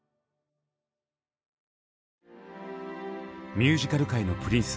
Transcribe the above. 「ミュージカル界のプリンス」